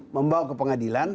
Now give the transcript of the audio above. membawa ke pengadilan